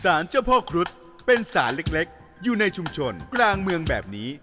เจ้าพ่อครุฑเป็นสารเล็กอยู่ในชุมชนกลางเมืองแบบนี้